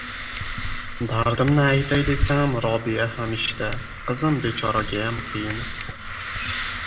Dardimni aytay desam, Robiya ham ishda. Qizim bechoragayam qiyin.